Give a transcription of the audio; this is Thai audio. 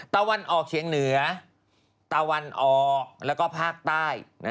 ตะวันออกเฉียงเหนือตะวันออกแล้วก็ภาคใต้